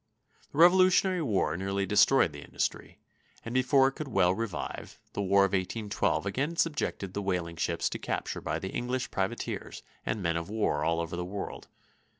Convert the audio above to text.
The Revolutionary War nearly destroyed the industry, and before it could well revive, the War of 1812 again subjected the whaling ships to capture by English privateers and men of war all over the world.